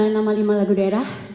nama lima lagu daerah